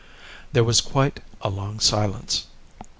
There was quite a long silence.